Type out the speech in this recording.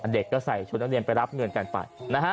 เด็กก็ใส่ชุดนักเรียนไปรับเงินกันไป